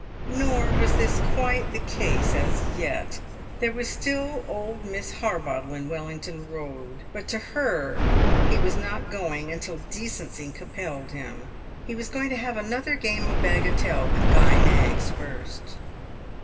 Nor was this quite the case as yet; there was still old Miss Harbottle in Wellington Road. But to her he was not going until decency compelled him; he was going to have another game of bagatelle with Guy Knaggs first.